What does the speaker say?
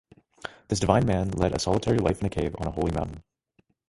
This divine man led a solitary life in a cave on a holy mountain.